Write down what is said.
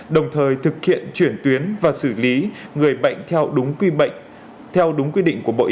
đồng thời thực hiện chuyển tuyến và xử lý người bệnh theo đúng quy định của bộ y tế